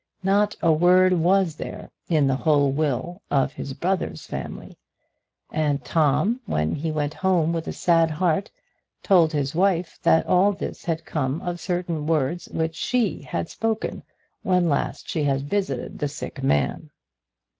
Not a word was there in the whole will of his brother's family; and Tom, when he went home with a sad heart, told his wife that all this had come of certain words which she had spoken when last she had visited the sick man.